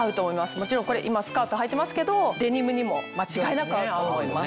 もちろんこれ今スカートはいてますけどデニムにも間違いなく合うと思います。